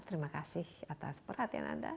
terima kasih atas perhatian anda